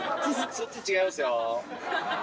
「“そっち違います”」